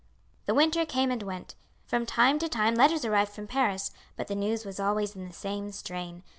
The winter came and went. From time to time letters arrived from Paris, but the news was always in the same strain.